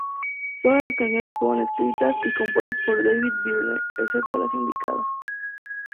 Todas las canciones fueron escritas y compuestas por David Byrne, excepto las indicadas.